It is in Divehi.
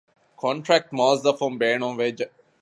ކޮންޓްރެކްޓް މުއައްޒަފުން ބޭނުންވެއްޖެ